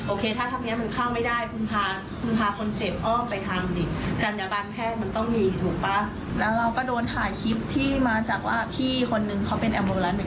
โอเคถ้าทำอย่างนี้มันเข้าไม่ได้